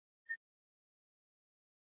从摩星岭顶端可以看到广州市区的状况。